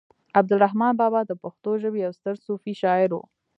عبد الرحمان بابا د پښتو ژبې يو ستر صوفي شاعر و